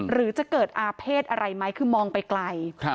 หรือจะเกิดอาเภษอะไรไหมคือมองไปไกล